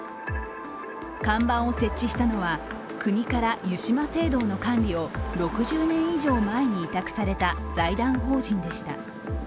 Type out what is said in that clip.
看板を設置したのは国から湯島聖堂の管理を６０年以上前に委託された財団法人でした。